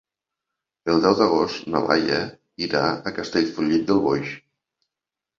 El deu d'agost na Laia irà a Castellfollit del Boix.